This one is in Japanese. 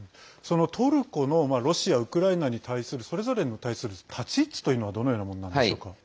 そのトルコのロシア、ウクライナに対するそれぞれに対する立ち位置というのはどのようなものなのでしょうか？